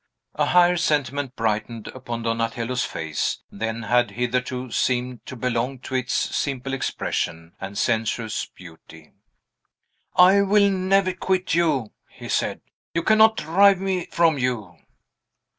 A higher sentiment brightened upon Donatello's face than had hitherto seemed to belong to its simple expression and sensuous beauty. "I will never quit you," he said; "you cannot drive me from you."